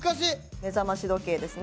目覚まし時計ですね。